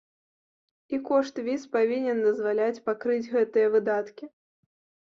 І кошт віз павінен дазваляць пакрыць гэтыя выдаткі.